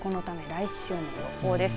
来週の予報です。